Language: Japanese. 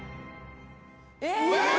え！